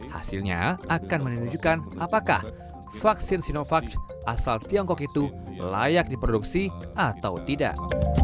hasilnya akan menunjukkan apakah vaksin sinovac asal tiongkok itu layak diproduksi atau tidak